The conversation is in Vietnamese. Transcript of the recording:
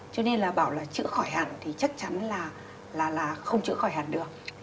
cho nên là bảo là chữa khỏi hẳn thì chắc chắn là không chữa khỏi hàn được